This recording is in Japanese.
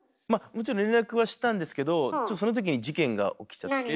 もちろん連絡はしたんですけどちょっとそのときに事件が起きちゃって。